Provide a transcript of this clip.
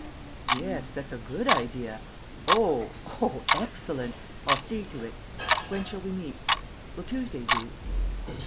... Yes, that's a good idea. ... Oh, oh, excellent! I'll see to it. ... When shall we meet? Will Tuesday do?